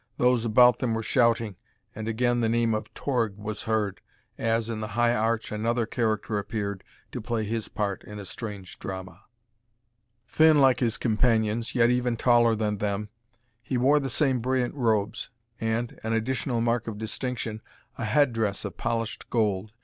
Those about them were shouting, and again the name of Torg was heard, as, in the high arch, another character appeared to play his part in a strange drama. Thin like his companions, yet even taller than them, he wore the same brilliant robes and, an additional mark of distinction, a head dress of polished gold.